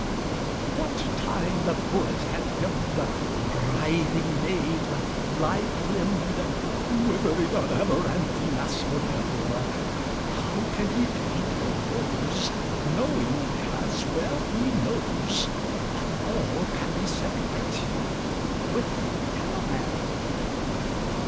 What time the poet hath hymned The writhing maid, lithe limbed, Quivering on amaranthine asphodel, How can he paint her woes, Knowing, as well he knows, That all can be set right with calomel?